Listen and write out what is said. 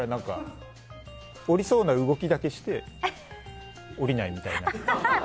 降りそうな動きだけして降りないみたいな。